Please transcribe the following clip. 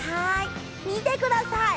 見てください。